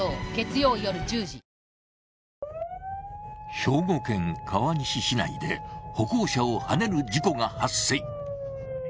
兵庫県川西市内で歩行者をはねる事故が発生。